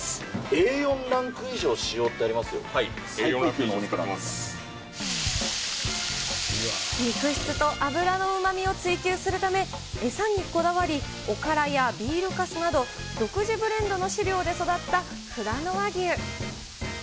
Ａ４ランク以上使っておりま肉質と脂のうまみを追求するため、餌にこだわり、おからやビールかすなど、独自ブレンドの飼料で育ったふらの和牛。